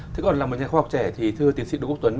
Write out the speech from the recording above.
thế còn là một nhà khoa học trẻ thì thưa tiến sĩ đỗ quốc tuấn